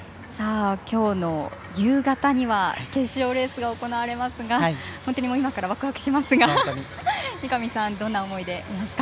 今日の夕方には決勝レースが行われますが今からワクワクしますが三上さん、どんな思いでいますか。